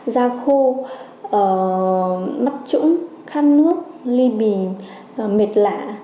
da khô mắt trũng khăn nước ly bì mệt lạ